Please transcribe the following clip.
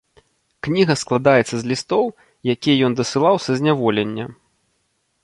Кніга складаецца з лістоў, якія ён дасылаў са зняволення.